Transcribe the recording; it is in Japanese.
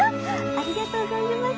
ありがとう存じます！